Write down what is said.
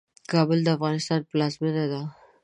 کابل د افغانستان پلازمينه ده.